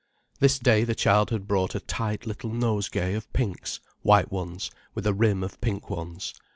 This day the child had brought a tight little nosegay of pinks, white ones, with a rim of pink ones.